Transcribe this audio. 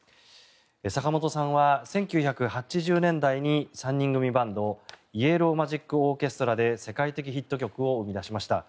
坂本さんは１９８０年代に３人組バンドイエロー・マジック・オーケストラで世界的ヒット曲を生み出しました。